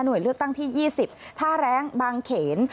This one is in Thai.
เลือกตั้งที่๒๐ท่าแรงบางเขน